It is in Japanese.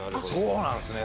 そうなんすね